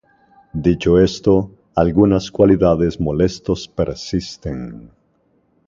Dicho esto, algunas cualidades molestos persisten.